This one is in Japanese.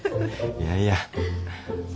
いやいや。